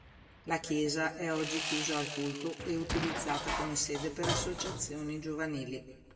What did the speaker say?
La chiesa è oggi chiusa al culto e utilizzata come sede per associazioni giovanili.